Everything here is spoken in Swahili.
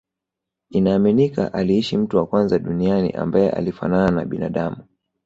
Inaaminika aliishi mtu wa kwanza duniani ambae alifanana na binadamu